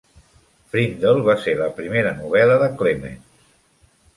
"Frindle" va ser la primera novel·la de Clements.